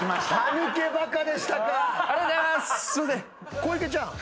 小池ちゃん。